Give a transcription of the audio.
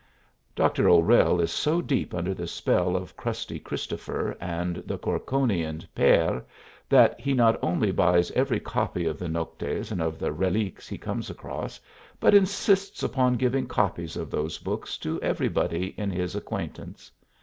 Dr. O'Rell is so deep under the spell of crusty Christopher and the Corkonian pere that he not only buys every copy of the Noctes and of the Reliques he comes across, but insists upon giving copies of these books to everybody in his acquaintance.